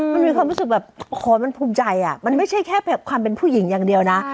มันมีความรู้สึกแบบโอ้โหมันภูมิใจอ่ะมันไม่ใช่แค่ความเป็นผู้หญิงอย่างเดียวนะ